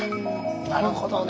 なるほどね。